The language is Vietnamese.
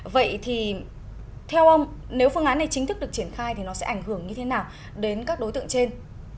vậy thì theo ông nếu phương án này chính thức được triển khai thì nó sẽ ảnh hưởng như thế nào đến các đối tượng trên